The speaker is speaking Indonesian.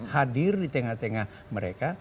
hadir di tengah tengah mereka